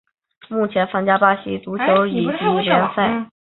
目前参加巴西足球乙级联赛。